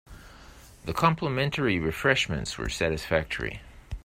The complimentary refreshments were satisfactory.